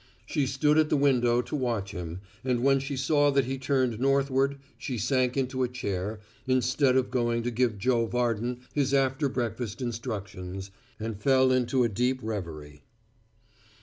She stood at the window to watch him, and, when she saw that he turned northward, she sank into a chair, instead of going to give Joe Varden his after breakfast instructions, and fell into a deep reverie.